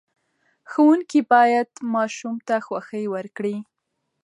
ښوونکي باید ماشوم ته خوښۍ ورکړي.